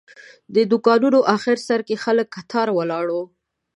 د دوکانونو آخر سر کې خلک کتار ولاړ وو.